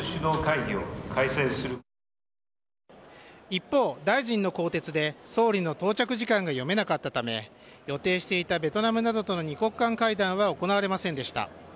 一方、大臣の更迭で総理の到着時刻が読めなかったため予定していたベトナムなどとの２国間会談は行われませんでした。